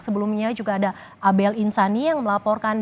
sebelumnya juga ada abel insani yang melaporkan